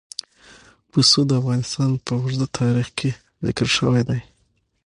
پسه د افغانستان په اوږده تاریخ کې ذکر شوی دی.